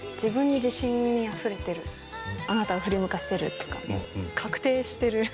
「あなたをふりむかせる」とか確定してる。